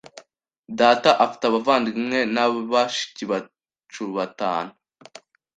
Data afite abavandimwe na bashiki bacu batanu.